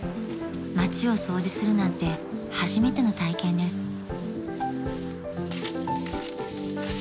［町を掃除するなんて初めての体験です］